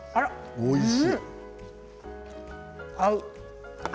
おいしい。